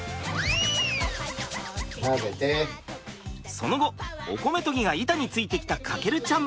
その後お米とぎが板についてきた翔ちゃん。